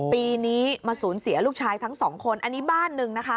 ปีนี้มาสูญเสียลูกชายทั้งสองคนอันนี้บ้านหนึ่งนะคะ